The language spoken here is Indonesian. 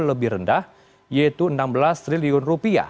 lebih rendah yaitu rp enam belas triliun